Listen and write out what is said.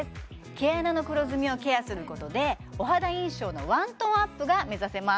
毛穴の黒ずみをケアすることでお肌印象のワントーンアップが目指せます